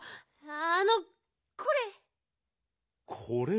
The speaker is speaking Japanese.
あのこれ！